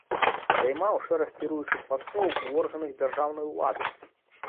Займаў шэраг кіруючых пастоў ў органах дзяржаўнай улады.